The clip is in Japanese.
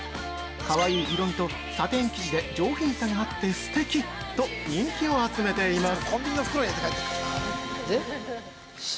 かわいい色味とサテン生地で上品さがあって素敵！と、人気を集めています！